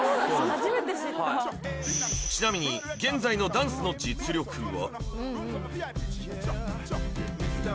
初めて知ったちなみに現在のダンスの実力は？